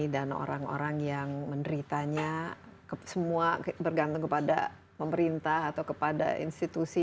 dan orang orang yang menderitanya semua bergantung kepada pemerintah atau kepada institusi